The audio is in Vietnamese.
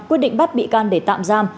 quy định bắt bị can để tạm giam